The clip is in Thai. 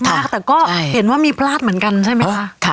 แต่ก็เห็นว่ามีพลาดเหมือนกันใช่ไหมคะ